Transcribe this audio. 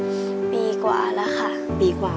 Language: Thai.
ที่ได้เงินเพื่อจะเก็บเงินมาสร้างบ้านให้ดีกว่า